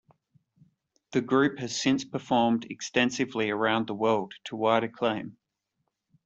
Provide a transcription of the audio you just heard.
The group has since performed extensively around the world to wide acclaim.